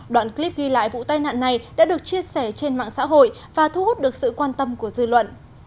đoạn clip ghi lại vụ tai nạn này đã được chia sẻ trên mạng xã hội và thu hút được sự quan tâm của dư luận